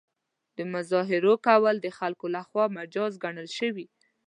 د مظاهرو کول د خلکو له خوا مجاز ګڼل شوي.